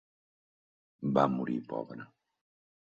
Va morir pobra.